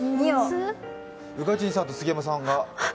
宇賀神さんと杉山さんが。